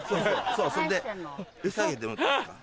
そうそれでエサあげてもらっていいですか？